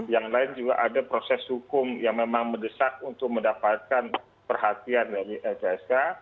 yang lain juga ada proses hukum yang memang mendesak untuk mendapatkan perhatian dari lpsk